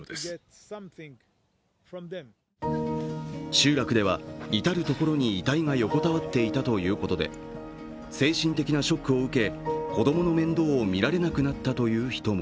集落では至る所に遺体が横たわっていたということで精神的なショックを受け、子供の面倒を見られなくなったという人も。